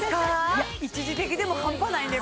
いや一時的でも半端ないね